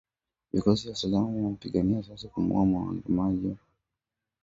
Vikosi vya usalama vilimpiga risasi na kumuuwa muandamanaji mmoja huko Omdurman